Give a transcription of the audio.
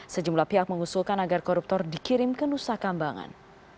sejumlah pihak mengusulkan agar koruptor dikirim ke nusa kambangan